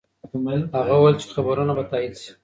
هغه وویل چې خبرونه به تایید شي.